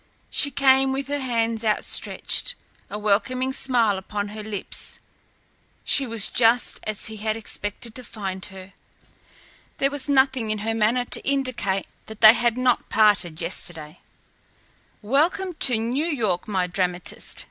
She came with her hands outstretched, a welcoming smile upon her lips. She was just as he had expected to find her. There was nothing in her manner to indicate that they had not parted yesterday. "Welcome to New York, my dramatist!"